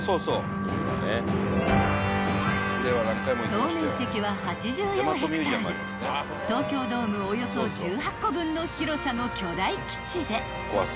［総面積は８４ｈａ東京ドームおよそ１８個分の広さの巨大基地で